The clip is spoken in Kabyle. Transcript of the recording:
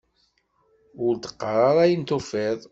Ur d-qqar ara ayen tufiḍ!